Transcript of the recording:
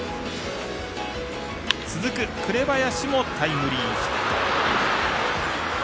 続く、紅林もタイムリーヒット。